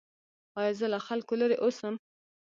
ایا زه له خلکو لرې اوسم؟